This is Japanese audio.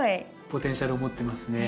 ポテンシャルをもってますね。